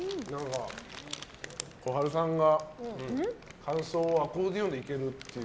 小春さんが感想をアコーディオンでいけるっていう。